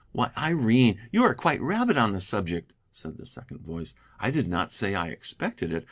"Why, Irene, you are quite rabid on the subject," said the second voice; "I did not say I expected it.